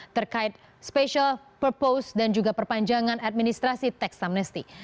terkait special purpose dan juga perpanjangan administrasi tekstamnesti